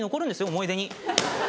思い出に。